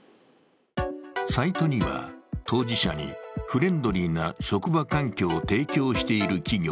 サイトには当事者にフレンドリーな職場環境を提供している企業